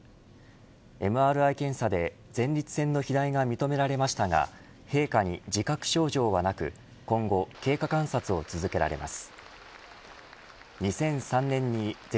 ＭＲＩ検査で前立腺の肥大が認められましたが陛下に自覚症状はなく今後、経過観察を続けられます。